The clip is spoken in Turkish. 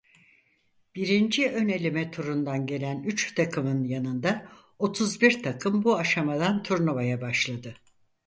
Birinci ön eleme turundan gelen üç takımın yanında otuz bir takım bu aşamadan turnuvaya başladı.